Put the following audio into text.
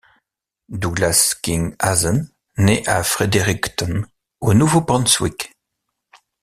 Douglas King Hazen naît à Fredericton, au Nouveau-Brunswick.